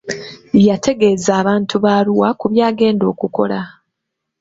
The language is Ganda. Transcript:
Yategeza abantu ba Arua ku by'agenda okukola.